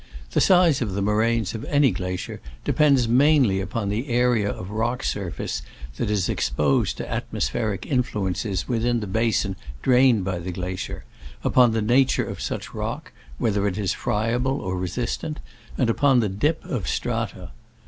The size of the moraines of any glacier de pends mainly upon the area of rock surface that is exposed to atmospheric mfluences within the basin drained by the glacier, upon the nature of such rock, whether it is friable or resistant, and upon the dip of strata.